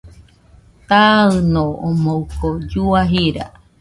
Taɨno omoɨko llua jira.